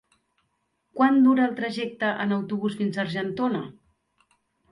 Quant dura el trajecte en autobús fins a Argentona?